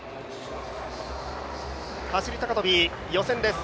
走高跳予選です。